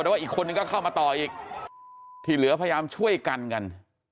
แต่ว่าอีกคนนึงก็เข้ามาต่ออีกที่เหลือพยายามช่วยกันกัน